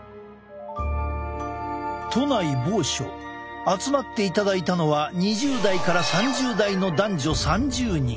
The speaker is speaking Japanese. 都内某所集まっていただいたのは２０代から３０代の男女３０人。